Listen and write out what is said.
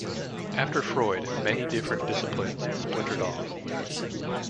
After Freud, many different disciplines splintered off.